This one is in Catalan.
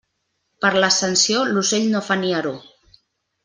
Per l'Ascensió, l'ocell no fa nieró.